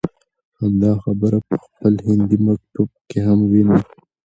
همدا خبره په خپل هندي مکتب کې هم وينو.